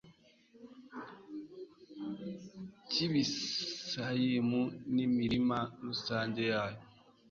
kibisayimu n'imirima rusange yayo